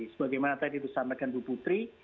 sebagaimana tadi disampaikan bu putri